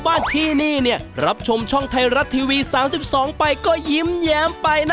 มาพบกับช่วงออกมาต่อ